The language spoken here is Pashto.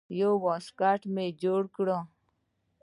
يو واسکټ مې جوړ کړ.